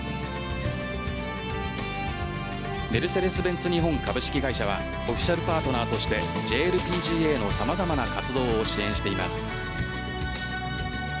メルセデス・ベンツ日本株式会社はオフィシャルパートナーとしてＪＬＰＧＡの様々な活動を支援しています。